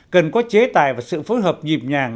cần có chế tài và sự phối hợp nhịp nhàng